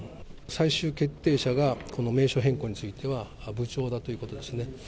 最終決定者が、この名称変更については、部長だということですね。